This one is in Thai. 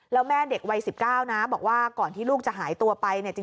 แล้วแม่เด็กวัย๑๙นะบอกว่าก่อนที่ลูกจะหายตัวไปเนี่ย